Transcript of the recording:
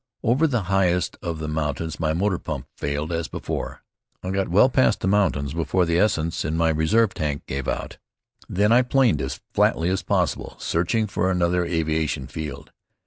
Over the highest of the mountains my motor pump failed as before. I got well past the mountains before the essence in my reserve tank gave out. Then I planed as flatly as possible, searching for another aviation field.